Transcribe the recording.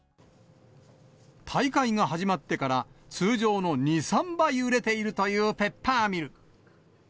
大会が始まってから、通常の２、３倍売れているというペッパーミル。